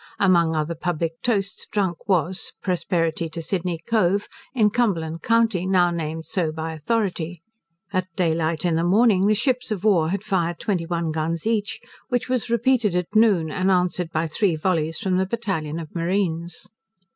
Among other public toasts drank, was, Prosperity to Sydney Cove, in Cumberland county, now named so by authority. At day light in the morning the ships of war had fired twenty one guns each, which was repeated at noon, and answered by three vollies from the battalion of marines.